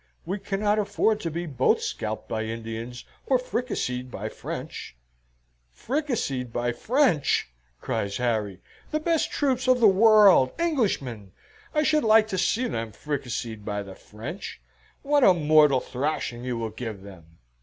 We cannot afford to be both scalped by Indians or fricasseed by French." "Fricasseed by French!" cries Harry; "the best troops of the world! Englishmen! I should like to see them fricasseed by the French! What a mortal thrashing you will give them!"